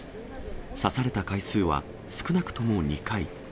刺された回数は少なくとも２回。